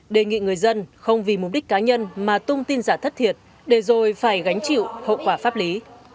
đề nghị người dân không vì mục đích cá nhân mà tung tin giả thất thiệt để rồi phải gánh chịu hậu quả pháp lý